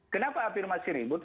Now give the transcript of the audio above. kenapa afirmasi ribut